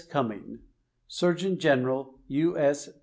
Gumming (Surgeon General, U.